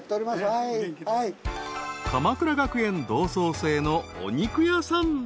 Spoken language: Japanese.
［鎌倉学園同窓生のお肉屋さん］